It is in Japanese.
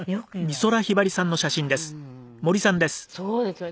そうですよね。